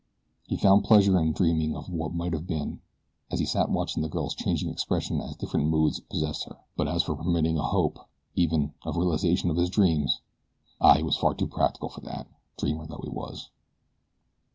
He found pleasure in dreaming of what might have been as he sat watching the girl's changing expression as different moods possessed her; but as for permitting a hope, even, of realization of his dreams ah, he was far too practical for that, dreamer though he was.